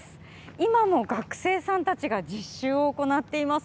今も学生さんたちが実習を行っています。